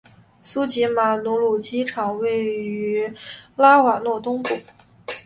苏吉马努鲁机场位于拉瓦若东部。